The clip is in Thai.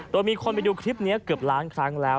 โดยมีคนไปดูคลิปนี้เกือบล้านครั้งแล้ว